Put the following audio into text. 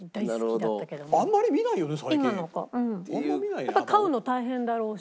やっぱ飼うの大変だろうし。